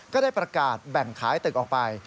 ก็ได้ประกาศแบ่งขายตึกออกไป